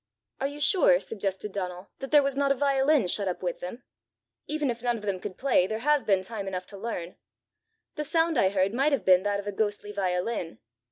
"Are you sure," suggested Donal, "that there was not a violin shut up with them? Even if none of them could play, there has been time enough to learn. The sound I heard might have been that of a ghostly violin.